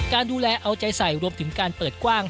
การดูแลเอาใจใส่รวมถึงการเปิดกว้าง